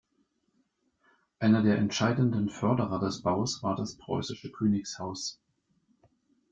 Einer der entscheidenden Förderer des Baus war das preußische Königshaus.